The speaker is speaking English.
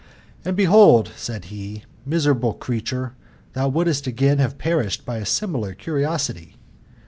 " And behold," said he, " miserable creature, thou wouldst again have perished by a similar curiosity.